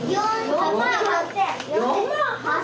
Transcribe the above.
４万８０００。